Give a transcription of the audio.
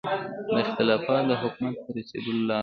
دا اختلاف د حکومت ته رسېدو لاره ده.